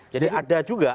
jadi ada juga